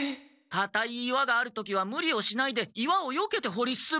かたい岩がある時はムリをしないで岩をよけて掘り進むんだ。